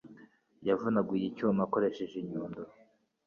Yavunaguye icyuma akoresheje inyundo.